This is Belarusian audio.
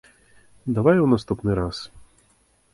Давай у наступны раз.